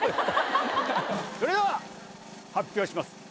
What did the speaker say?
それでは発表します